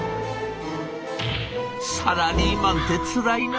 「サラリーマンってつらいな。